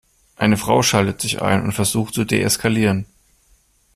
Eine Frau schaltet sich ein und versucht zu deeskalieren.